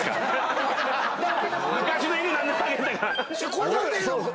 これだけでええの？